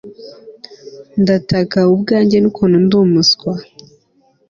ndataka ubwanjye n ukuntu ndi umuswa